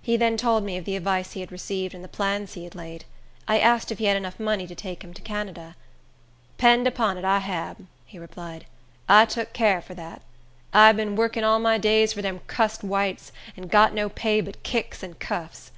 He then told me of the advice he had received, and the plans he had laid. I asked if he had money enough to take him to Canada. "'Pend upon it, I hab," he replied. "I tuk car fur dat. I'd bin workin all my days fur dem cussed whites, an got no pay but kicks and cuffs.